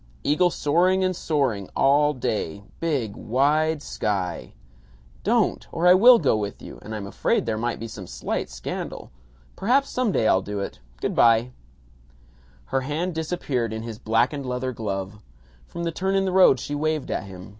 Eagle soaring and soaring all day big wide sky " "Don't! Or I will go with you, and I'm afraid there might be some slight scandal. Perhaps some day I'll do it. Good by." Her hand disappeared in his blackened leather glove. From the turn in the road she waved at him.